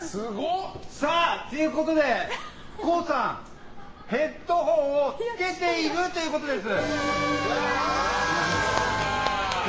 ＫＯＯさん、ヘッドホンをつけているということです。